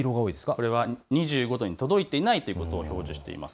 ２５度に届いていないということを表示しています。